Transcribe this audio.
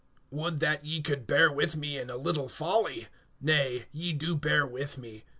WOULD that ye could bear with me in a little folly! Nay, ye do bear with me.